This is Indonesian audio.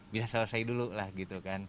bisa selesai dulu lah gitu kan